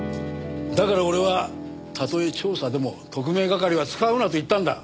だから俺はたとえ調査でも特命係は使うなと言ったんだ。